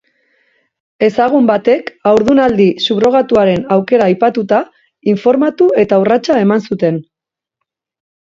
Ezagun batek haurdunaldi subrogatuaren aukera aipatuta, informatu eta urratsa eman zuten.